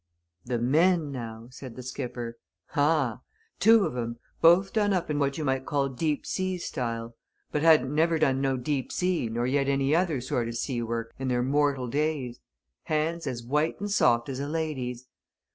"The men, now!" said the skipper. "Ah! Two on 'em both done up in what you might call deep sea style. But hadn't never done no deep sea nor yet any other sort o' sea work in their mortial days hands as white and soft as a lady's.